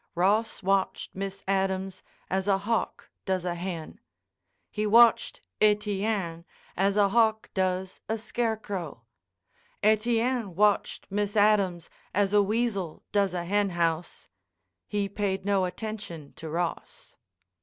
Ross watched Miss Adams as a hawk does a hen; he watched Etienne as a hawk does a scarecrow, Etienne watched Miss Adams as a weasel does a henhouse. He paid no attention to Ross.